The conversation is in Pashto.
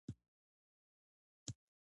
ژېړ رنګ روښانه دی.